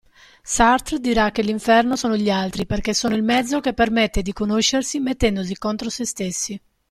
Sartre dirà che l'inferno sono gli altri perché sono il mezzo che permette di conoscersi mettendosi contro sé stessi.